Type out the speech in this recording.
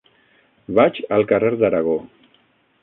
Vaig al carrer d'Aragó.